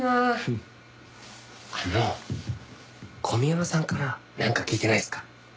あの小宮山さんからなんか聞いてないっすか？